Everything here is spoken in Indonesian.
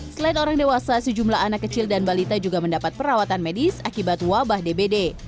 selain orang dewasa sejumlah anak kecil dan balita juga mendapat perawatan medis akibat wabah dbd